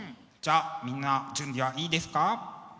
じゃあみんな準備はいいですか？